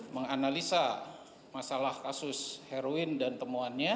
menganalisa masalah kasus heroin dan temuannya